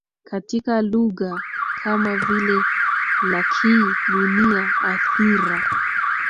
katika lugha kama vile lakhi gunia Athira